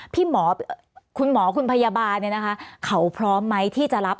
คุณหมอคุณหมอคุณพยาบาลเนี่ยนะคะเขาพร้อมไหมที่จะรับ